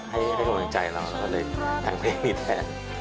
ให้กำลังใจเราแล้วก็เลยแต่งเพลงมีแฟน